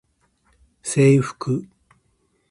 制服